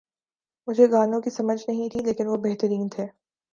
مجھے گانوں کی سمجھ نہیں تھی لیکن وہ بہترین تھے